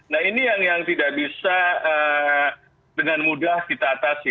nah ini yang tidak bisa dengan mudah kita atasi